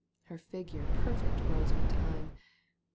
Her figure perfect grows with time